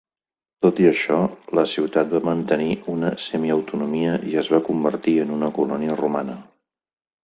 Tot i això, la ciutat va mantenir una semiautonomia i es va convertir en una colònia romana.